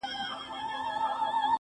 o يوه نه، دوې نه، څو دعاوي وكړو.